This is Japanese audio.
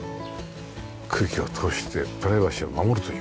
空気を通してプライバシーを守るというね。